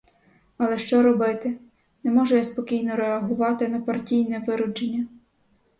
Але що робити: не можу я спокійно реагувати на партійне виродження.